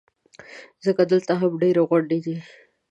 ځکه دلته هم ډېرې غونډۍ دي.